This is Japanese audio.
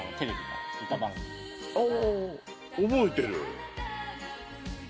覚えてる？